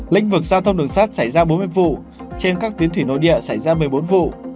lĩnh vực giao thông đường sắt xảy ra bốn mươi vụ trên các tuyến thủy nội địa xảy ra một mươi bốn vụ